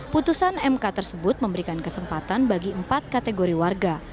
putusan mk tersebut memberikan kesempatan bagi empat kategori warga